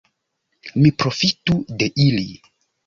Mi profitu de ili.